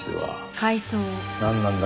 なんなんだ？